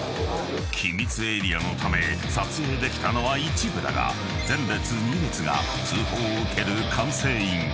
［機密エリアのため撮影できたのは一部だが前列２列が通報を受ける管制員］